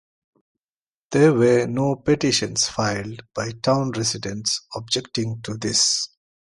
There were no petitions filed by town residents objecting to this.